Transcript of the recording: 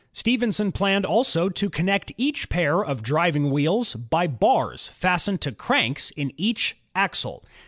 Stephenson planned also to connect each pair of driving wheels by bars fastened to cranks in each axle.